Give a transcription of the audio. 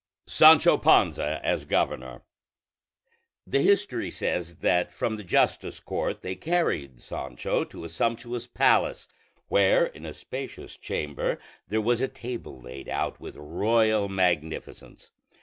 SANCHO PANZA AS GOVERNOR The history says that from the justice court they carried Sancho to a sumptuous palace, where in a spacious chamber there was a table laid out with royal magnificence.